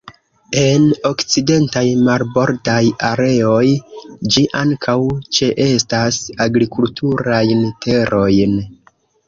En okcidentaj marbordaj areoj, ĝi ankaŭ ĉeestas agrikulturajn terojn.